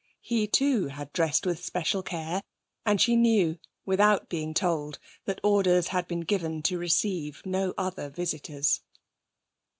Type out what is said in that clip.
He, too, had dressed with special care; and she knew, without being told, that orders had been given to receive no other visitors.